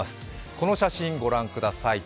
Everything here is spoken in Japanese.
この写真、ご覧ください。